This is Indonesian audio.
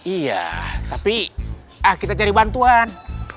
iya tapi ah kita cari bantuan